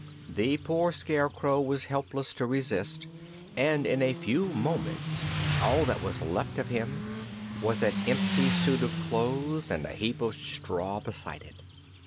The poor Scarecrow was helpless to resist and in a few moments all that was left of him was an empty suit of clothes and a heap of straw beside it.